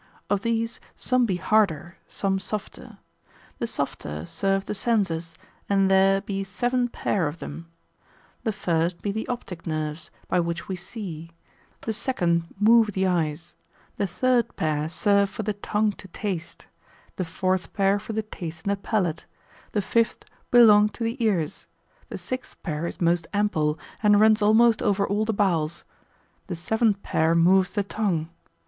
Of these some be harder, some softer; the softer serve the senses, and there be seven pair of them. The first be the optic nerves, by which we see; the second move the eyes; the third pair serve for the tongue to taste; the fourth pair for the taste in the palate; the fifth belong to the ears; the sixth pair is most ample, and runs almost over all the bowels; the seventh pair moves the tongue.